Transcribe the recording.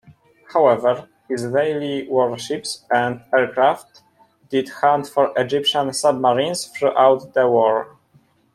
However, Israeli warships and aircraft did hunt for Egyptian submarines throughout the war.